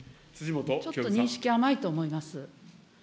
ちょっと、認識甘いと思います。